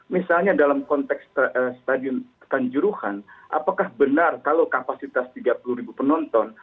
misalnya dalam konteks stadion kanjuruhan apakah benar kalau kapasitas tiga puluh ribu penonton